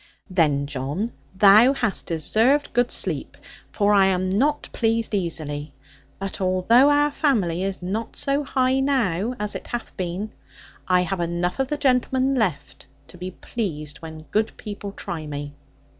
'Then, John, thou hast deserved good sleep; for I am not pleased easily. But although our family is not so high now as it hath been, I have enough of the gentleman left to be pleased when good people try me.